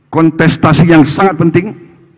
kontestasi yang sangat penting